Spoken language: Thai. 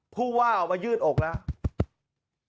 ผู้ว่าออกมายืดอกแล้ว